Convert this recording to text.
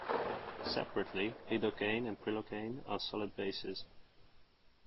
Separately, lidocaine and prilocaine are solid bases.